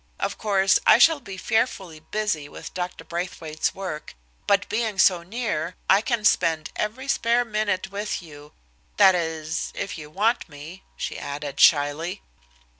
Of course, I shall be fearfully busy with Dr. Braithwaite's work, but being so near, I can spend every spare minute with you that is, if you want me," she added shyly.